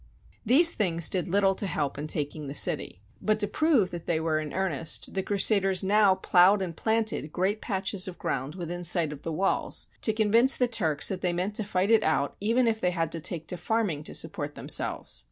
These things did little to help in taking the city; THE BOOK OF FAMOUS SIEGES but to prove that they were in earnest, the Cru saders now ploughed and planted great patches of ground within sight of the walls, to convince the Turks that they meant to fight it out even if they had to take to farming to support themselves.